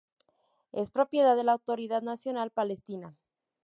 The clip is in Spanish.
Es propiedad de la Autoridad Nacional Palestina.